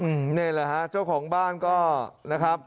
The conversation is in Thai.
นี่แหละฮะเจ้าของบ้านก็นะครับ